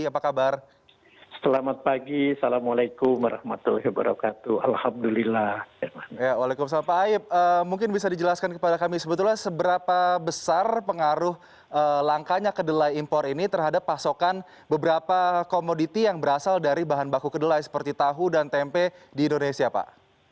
waalaikumsalam pak aib mungkin bisa dijelaskan kepada kami sebetulnya seberapa besar pengaruh langkanya kedelai impor ini terhadap pasokan beberapa komoditi yang berasal dari bahan baku kedelai seperti tahu dan tempe di indonesia pak